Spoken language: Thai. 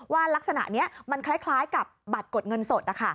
ลักษณะนี้มันคล้ายกับบัตรกดเงินสด